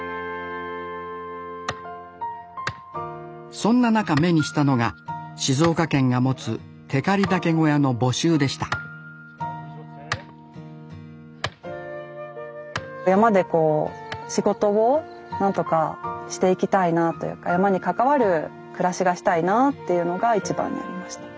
そんな中目にしたのが静岡県が持つ光岳小屋の募集でした山でこう仕事を何とかしていきたいなというか山に関わる暮らしがしたいなっていうのが一番にありました。